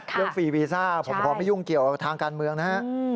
เรื่องฟรีวีซ่าผมพร้อมไม่ยุ่งเกี่ยวทางการเมืองนะฮะ